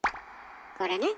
これね。